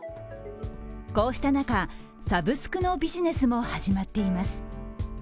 こうした中、サブスクのビジネスも始まっています。